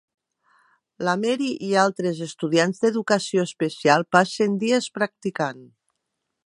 La Mary i altres estudiants d'Educació Especial passen dies practicant.